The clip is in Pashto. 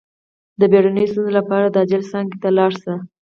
د بیړنیو ستونزو لپاره د عاجل څانګې ته لاړ شئ